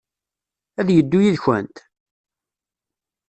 Ad yeddu yid-kent?